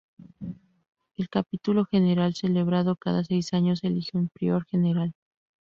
El Capítulo General celebrado cada seis años elige a un Prior General.